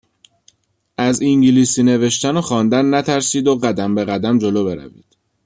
از انگلیسی نوشتن و خواندن نترسید و قدم به قدم جلو بروید.